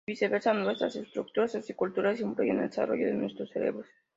Y viceversa: nuestras estructuras socioculturales influyen en el desarrollo de nuestros cerebros.